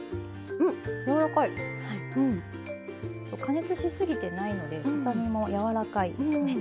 加熱し過ぎてないのでささ身も柔らかいですね。